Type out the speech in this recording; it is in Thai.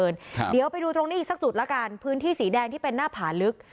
ครับเดี๋ยวไปดูตรงนี้อีกสักจุดละกันพื้นที่สีแดงที่เป็นหน้าผาลึก